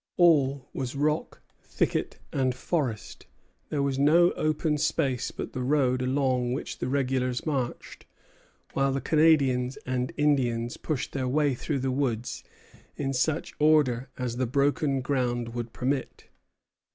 All was rock, thicket, and forest; there was no open space but the road along which the regulars marched, while the Canadians and Indians pushed their way through the woods in such order as the broken ground would permit.